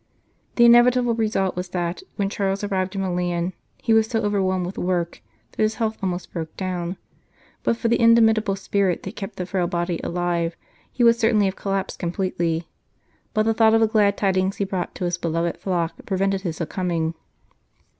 The inevitable result was that, when Charles arrived in Milan, he was so overwhelmed with work that his health almost broke down ; but for the indomitable spirit that kept the frail body alive, he would certainly have collapsed completely, but the thought of the glad tidings he brought to his beloved flock prevented his succumbing.